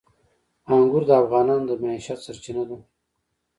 انګور د افغانانو د معیشت سرچینه ده.